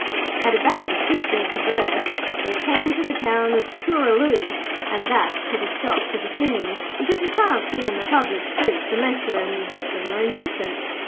At about the fifteenth verse they came to the town of Tooraloo, and that put a stop to the singing, because you can't sing in the public streets unless you are a musician or a nuisance.